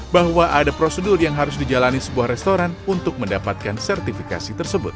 bahwa ada prosedur yang harus dijalani sebuah restoran untuk mendapatkan sertifikasi tersebut